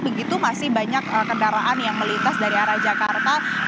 begitu masih banyak kendaraan yang melintas dari arah jakarta